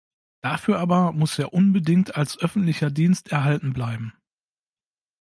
Dafür aber muss er unbedingt als öffentlicher Dienst erhalten bleiben.